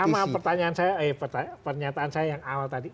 sama pertanyaan saya eh pernyataan saya yang awal tadi